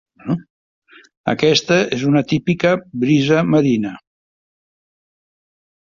Aquesta és una típica brisa marina.